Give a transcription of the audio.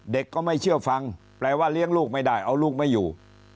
ก็ไม่เชื่อฟังแปลว่าเลี้ยงลูกไม่ได้เอาลูกไม่อยู่